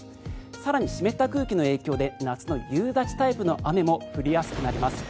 更に、湿った空気の影響で夏の夕立タイプの雨も降りやすくなります。